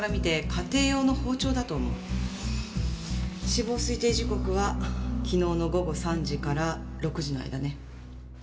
死亡推定時刻は昨日の午後３時から６時の間ね。